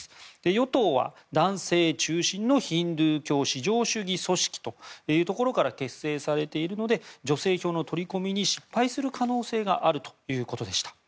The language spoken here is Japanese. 与党は男性中心のヒンドゥー教至上主義組織というところから結成されているので女性票の取り込みに失敗する可能性があるということでした。